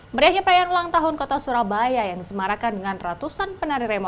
meriahnya perayaan ulang tahun kota surabaya yang disemarakan dengan ratusan penari rema